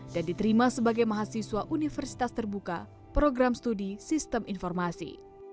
dan diterima sebagai mahasiswa universitas terbuka program studi sistem informasi